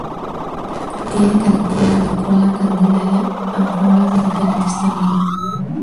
Tiene candelabros de cola, candelería, ánforas de diferentes tamaños.